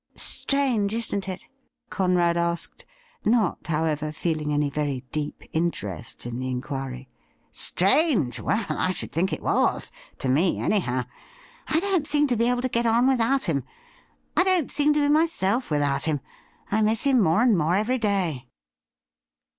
'' Strange, isn't it ?' Conrad asked, not, however, feeling any very deep interest in the inquiry. ' Strange ! Well, I should think it was — ^to me, anyhow. I don't seem to be able to get on without him ; I don't seem to be myself without him. I miss him more and more every day.'